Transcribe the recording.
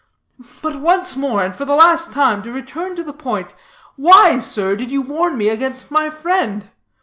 But, once more, and for the last time, to return to the point: why sir, did you warn me against my friend?